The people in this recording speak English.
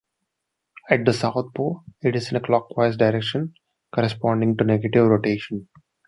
At the south pole it is in a clockwise direction, corresponding to "negative" rotation.